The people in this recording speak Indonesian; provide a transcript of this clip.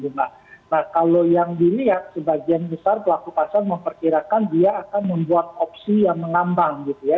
nah kalau yang dilihat sebagian besar pelaku pasar memperkirakan dia akan membuat opsi yang mengambang gitu ya